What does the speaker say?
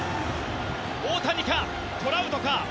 大谷か、トラウトか。